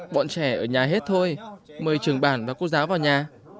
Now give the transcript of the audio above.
bọn trẻ ở nhà hết thôi mời trường bản và cô giáo vào nhà